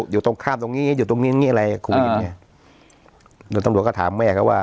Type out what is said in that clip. อยู่ตรงข้ามตรงนี้อยู่ตรงนี้อะไรคุยอยู่อย่างเงี้ยแล้วตำรวจก็ถามแม่เขาว่า